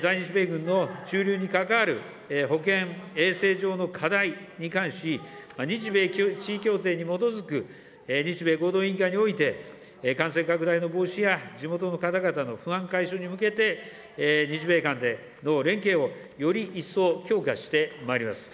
在日米軍の駐留に関わる保健衛生上の課題に関し、日米地位協定に基づく日米合同委員会において、感染拡大の防止や地元の方々の不安解消に向けて、日米間での連携をより一層強化してまいります。